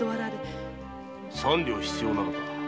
三両必要なのか。